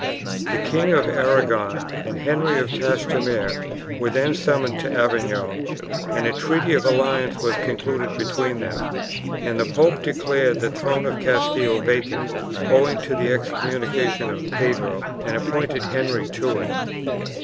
The King of Arragon and Henry of Trastamare were then summoned to Avignon, and a treaty of alliance was concluded between them, and the pope declared the throne of Castile vacant owing to the excommunication of Pedro, and appointed Henry to it.